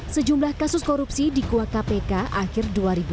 sejumlah kasus korupsi dikuak kpk akhir dua ribu dua puluh